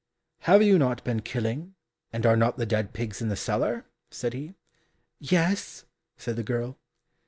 "Have you not been killing, and are not the dead pigs in the cellar?" said he. "Yes," said the girl.